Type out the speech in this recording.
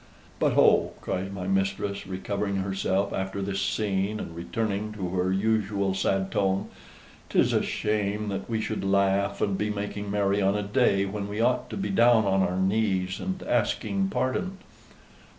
"But oh!" cries my mistress, recovering herself after this scene, and returning to her usual sad tone, "'tis a shame that we should laugh and be making merry on a day when we ought to be down on our knees and asking pardon."